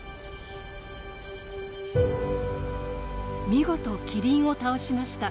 見事キリンを倒しました。